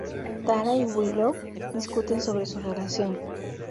Tara y Willow discuten sobre su relación.